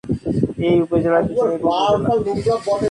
এ উপজেলা কৃষি নির্ভর উপজেলা।